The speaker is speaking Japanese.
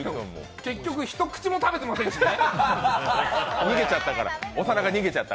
結局一口も食べてませんからね。